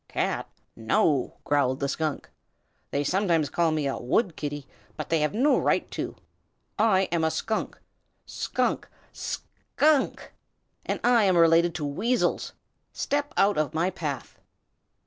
"Cat? No!" growled the Skunk. "They sometimes call me a Wood Kitty, but they have no right to. I am a Skunk, Skunk, SKUNK, and I am related to the Weasles. Step out of my path."